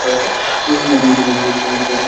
তুমি পনেরো বছর বয়সের ছিলে?